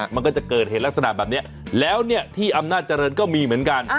มันก็จะเกิดเหตุลักษณะแบบนี้แล้วเนี่ยที่อำนาจเจริญก็มีเหมือนกัน